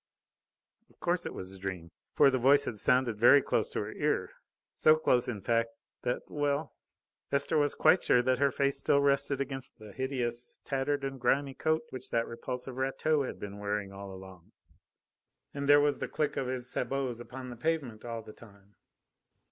Of course it was a dream, for the voice had sounded very close to her ear; so close, in fact, that ... well! Esther was quite sure that her face still rested against the hideous, tattered, and grimy coat which that repulsive Rateau had been wearing all along. And there was the click of his sabots upon the pavement all the time.